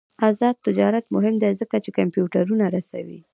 آزاد تجارت مهم دی ځکه چې کمپیوټرونه رسوي.